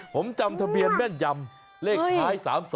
ผมจำทะเบียนแม่นยำเลขท้าย๓๒